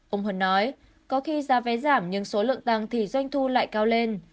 ông huân nói có khi giá vé giảm nhưng số lượng tăng thì doanh thu lại cao lên